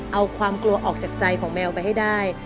เอาความกลัวออกจากใจของแมวไปให้ได้